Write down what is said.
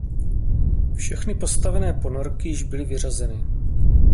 Všechny postavené ponorky již byly vyřazeny.